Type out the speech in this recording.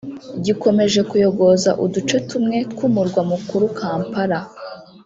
gikomeje kuyogoza uduce tumwe tw’umurwa mukuru Kampala